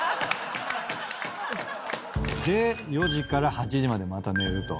４時から８時までまた寝ると。